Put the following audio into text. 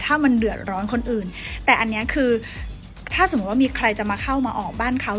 ถ้ามันเดือดร้อนคนอื่นแต่อันนี้คือถ้าสมมุติว่ามีใครจะมาเข้ามาออกบ้านเขา